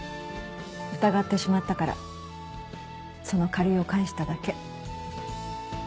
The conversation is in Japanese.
疑ってしまったからその借りを返しただけ。